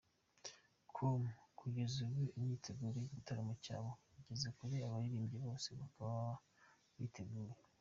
com ko kugeza ubu imyeteguro y'igitaramo cyabo igeze kure, abaririmbyi bose bakaba biteguye.